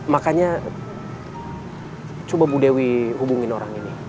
makanya coba bu dewi hubungin orang ini